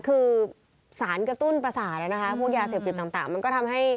คือสารกระตุ้นประสาทนะคะพวกยาเสพติดต่างมันก็ทำให้